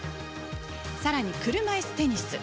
さらに、車いすテニス。